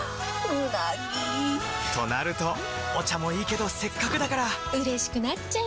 うなぎ！となるとお茶もいいけどせっかくだからうれしくなっちゃいますか！